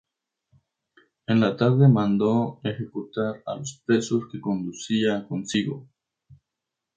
En la tarde mandó ejecutar a los presos que conducía consigo.